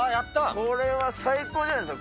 これは最高じゃないですか。